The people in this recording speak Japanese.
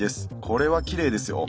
これはきれいですよ。